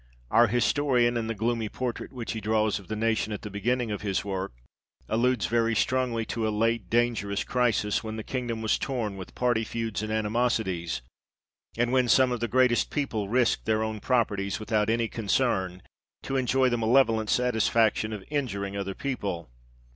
Our historian, in the gloomy portrait which he draws of the nation, at the beginning of his work, aludes very strongly to a late dangerous crisis, when the kingdom was torn with party feuds and animosities, and when some of the greatest people risqued their own properties without any concern, to enjoy the malevolent satisfaction of injuring other people.